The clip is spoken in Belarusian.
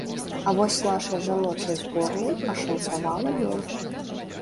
А вось нашай жаночай зборнай пашанцавала менш.